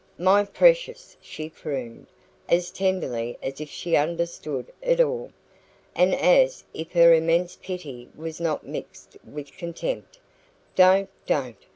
"My precious," she crooned, as tenderly as if she understood it all, and as if her immense pity was not mixed with contempt "don't, don't!